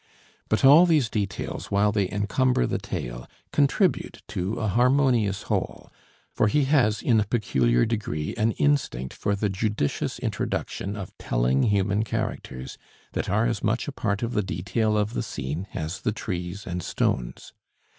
But all these details, while they encumber the tale, contribute to a harmonious whole; for he has in a peculiar degree an instinct for the judicious introduction of telling human characters that are as much a part of the detail of the scene as the trees and stones.